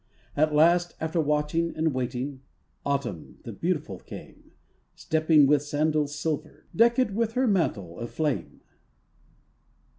At last after watching and waiting, Autumn, the beautiful came, Stepping with sandals silver, Decked with her mantle of flame.